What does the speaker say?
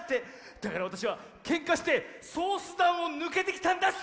だからわたしはけんかしてソースだんをぬけてきたんだっす！